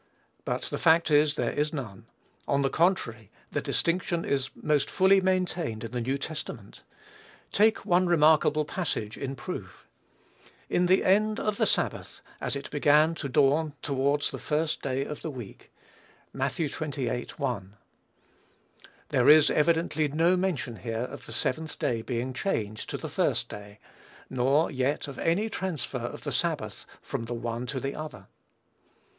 But the fact is, there is none; on the contrary, the distinction is most fully maintained in the New Testament. Take one remarkable passage, in proof: "In the end of the Sabbath, as it began to dawn towards the first day of the week." (Matt. xxviii. 1.) There is, evidently, no mention here of the seventh day being changed to the first day; nor yet of any transfer of the Sabbath from the one to the other.